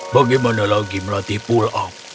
bagaimana lagi melatih pulau